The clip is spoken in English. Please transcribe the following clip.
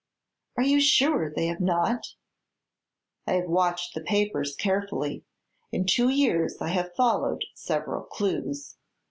"Are you sure they have not?" "I have watched the papers carefully. In two years I have followed several clues.